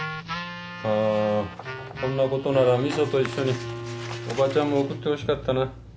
あこんなことなら味噌と一緒に叔母ちゃんも送ってほしかったな。